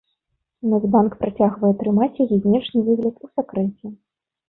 Нацбанк працягвае трымаць яе знешні выгляд у сакрэце.